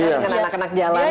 dengan anak anak jalanan